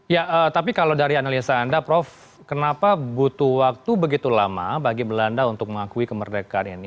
ya tapi kalau dari analisa anda prof kenapa butuh waktu begitu lama bagi belanda untuk mengakui kemerdekaan ini